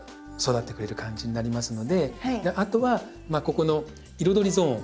あとはここの彩りゾーン